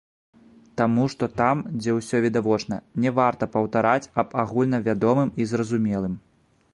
Таму што там, дзе усё відавочна, не варта паўтараць аб агульнавядомым і зразумелым.